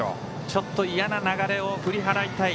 ちょっと嫌な流れを振り払いたい。